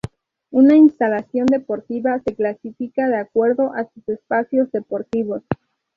Una instalación deportiva se clasifica de acuerdo a sus espacios deportivos.